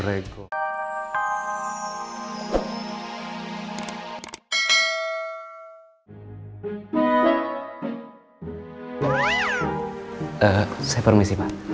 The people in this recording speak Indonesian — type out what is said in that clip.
eh saya permisi pak